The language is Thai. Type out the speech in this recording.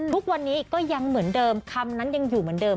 ทุกวันนี้ก็ยังเหมือนเดิมคำนั้นยังอยู่เหมือนเดิม